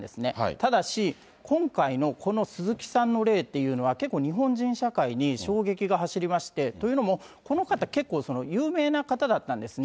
ただし、今回のこの鈴木さんの例というのは、結構、日本人社会に衝撃が走りまして、というのも、この方、結構、有名な方だったんですね。